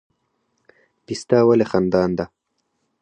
پسته ولې خندان ده؟